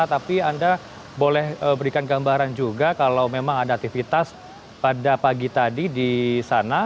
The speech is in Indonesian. tapi anda boleh berikan gambaran juga kalau memang ada aktivitas pada pagi tadi di sana